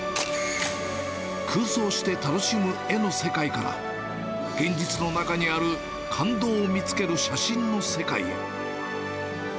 空想して楽しむ絵の世界から、現実の中にある感動を見つける写真の世界へ。